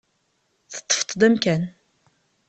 Teṭṭfeḍ-d amkan.